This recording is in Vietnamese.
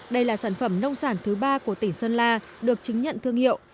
đây là sản phẩm nông sản thứ ba của tỉnh sơn la được chứng nhận thương hiệu